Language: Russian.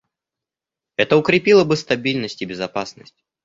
Это укрепило бы стабильность и безопасность.